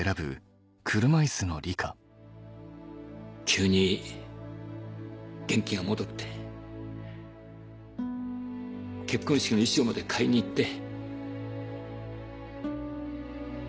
急に元気が戻って結婚式の衣装まで買いに行って。